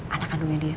anak kandungnya dia